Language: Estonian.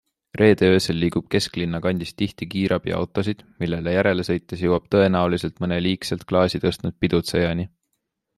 Reede öösel liigub kesklinna kandis tihti kiirabiautosid, millele järele sõites jõuab tõenäoliselt mõne liigselt klaasi tõstnud pidutsejani.